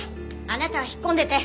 あなたは引っ込んでて！